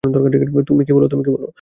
তুমি কী বলো?